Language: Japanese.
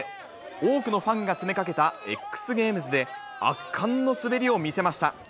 多くのファンが詰めかけたＸＧａｍｅｓで、圧巻の滑りを見せました。